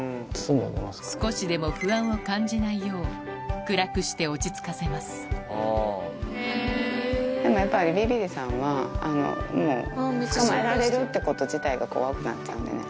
少しでも不安を感じないよう暗くして落ち着かせますでもやっぱりビビリさんはあのもう捕まえられるってこと自体が怖くなっちゃうんでね。